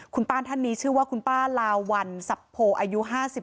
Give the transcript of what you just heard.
คุณป้าท่านนี้ชื่อว่าคุณป้าลาวัลสับโพอายุ๕๓